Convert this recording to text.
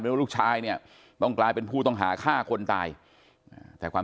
ว่าลูกชายเนี่ยต้องกลายเป็นผู้ต้องหาฆ่าคนตายแต่ความ